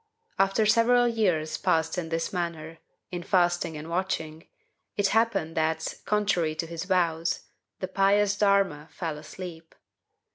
After several years passed in this manner, in fasting and watching, it happened that, contrary to his vows, the pious Darma fell asleep!